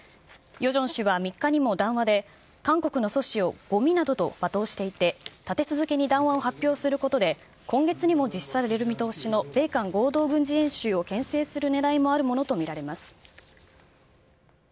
ヨジョン氏は３日にも談話で、韓国のソ氏をごみなどと罵倒していて、立て続けに談話を発表することで、今月にも実施される見通しの米韓合同軍事演習をけん制するねらいもあるものと見られます。